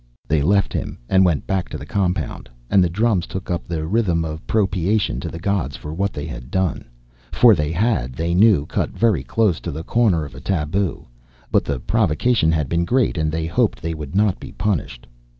They left him, and went back to the compound, and the drums took up the rhythm of propitiation to the gods for what they had done. For they had, they knew, cut very close to the corner of a tabu but the provocation had been great and they hoped they would not be punished.